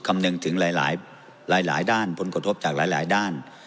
คำนึงถึงหลายด้านผลกระทบจากหลายด้าน